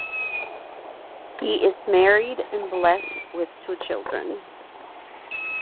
He is married and blessed with two children.